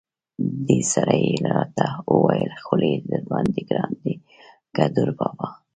دې سره یې را ته وویل: خولي درباندې ګران دی که دوربابا.